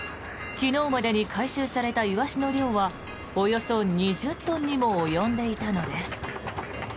昨日までに回収されたイワシの量はおよそ２０トンにも及んでいたのです。